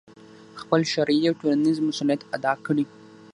خپل شرعي او ټولنیز مسؤلیت ادا کړي،